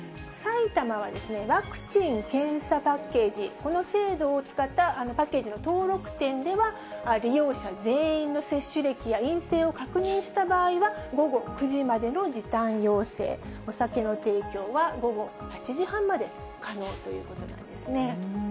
埼玉はワクチン・検査パッケージ、この制度を使ったパッケージの登録店では、利用者全員の接種歴や陰性を確認した場合は午後９時までの時短要請、お酒の提供は午後８時半まで可能ということなんですね。